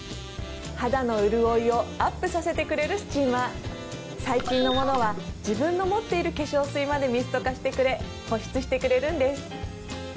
肌の潤いをアップさせてくれるスチーマー最近のものは自分の持っている化粧水までミスト化してくれ保湿してくれるんです